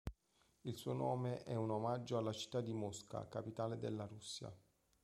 Il suo nome è un omaggio alla città di Mosca, capitale della Russia.